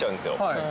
はい。